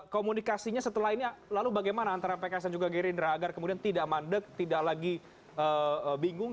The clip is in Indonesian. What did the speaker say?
komunikasinya setelah ini lalu bagaimana antara pks dan juga gerindra agar kemudian tidak mandek tidak lagi bingung